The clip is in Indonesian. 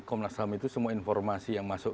komnas ham itu semua informasi yang masuk